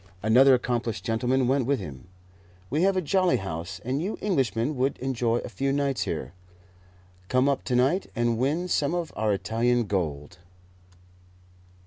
Another accomplished gentleman went with him. We have a jolly house, and you Englishmen would enjoy a few nights here. Come up to night and win some of our Italian gold."